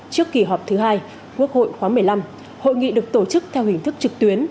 trước kỳ họp thứ hai quốc hội khóa một mươi năm hội nghị được tổ chức theo hình thức trực tuyến